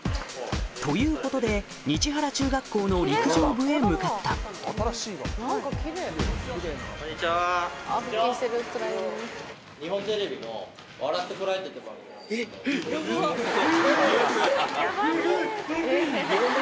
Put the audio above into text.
ということで日原中学校の陸上部へ向かったいやマジで？